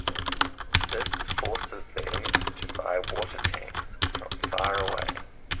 This forces them to buy water tanks from far away.